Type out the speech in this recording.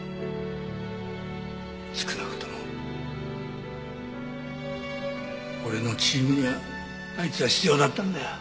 少なくとも俺のチームにはあいつは必要だったんだよ。